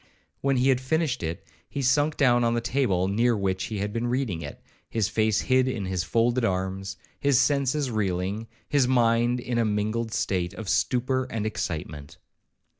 When he had finished it, he sunk down on the table near which he had been reading it, his face hid in his folded arms, his senses reeling, his mind in a mingled state of stupor and excitement.